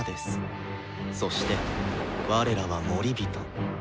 そして我らは守人。